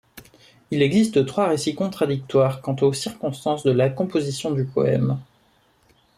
Il existe trois récits contradictoires quant aux circonstances de la composition du poème.